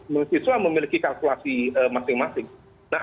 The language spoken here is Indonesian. mahasiswa memiliki kalkulasi masing masing